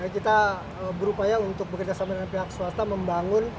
kita berupaya untuk bekerjasama dengan pihak swasta membangun